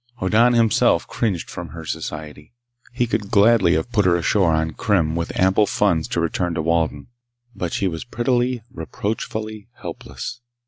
Hoddan, himself, cringed from her society. He could gladly have put her ashore on Krim with ample funds to return to Walden. But she was prettily, reproachfully helpless.